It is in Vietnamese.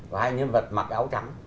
và hai nhân vật mặc áo trắng